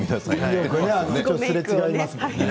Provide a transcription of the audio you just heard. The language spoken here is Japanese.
すれ違いますよね。